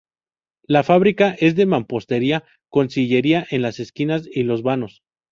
La fábrica es de mampostería, con sillería en las esquinas y los vanos.